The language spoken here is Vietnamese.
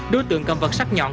đối tượng cầm vật sắt nhọn